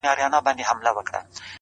نوك د زنده گۍ مو لكه ستوري چي سركښه سي’